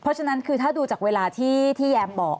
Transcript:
เพราะฉะนั้นคือถ้าดูจากเวลาที่แยมบอก